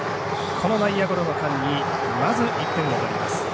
この内野ゴロの間にまず１点を取ります。